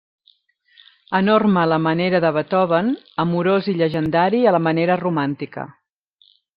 Enorme a la manera de Beethoven, amorós i llegendari a la manera romàntica.